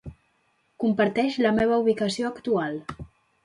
Comparteix la meva ubicació actual.